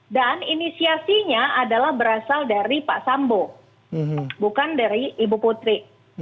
inisiasinya adalah berasal dari pak sambo bukan dari ibu putri